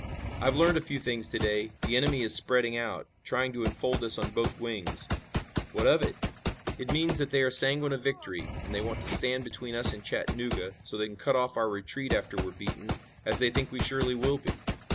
I've learned a few things to day. The enemy is spreading out, trying to enfold us on both wings." "What of it?" "It means that they are sanguine of victory, and they want to stand between us and Chattanooga, so they can cut off our retreat, after we're beaten, as they think we surely will be.